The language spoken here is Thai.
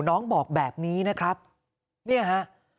น้องบอกแบบนี้นะครับเนี่ยฮะ